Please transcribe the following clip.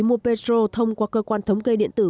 mua petro thông qua cơ quan thống kê điện tử